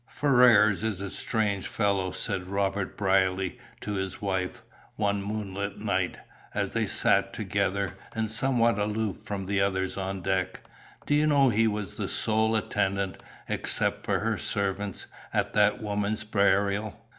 "Ferrars is a strange fellow," said Robert Brierly to his wife, one moonlight night, as they sat together, and somewhat aloof from the others on deck. "Do you know he was the sole attendant, except for her servants, at that woman's burial.